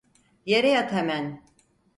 Yere yat hemen!